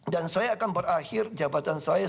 dan saya akan berakhir jabatan saya